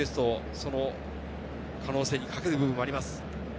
その可能性に懸ける部分もあります。